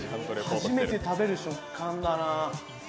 初めて食べる食感だな。